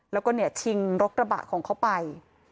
แล้วก็ชิงรถกระบะของเขาไป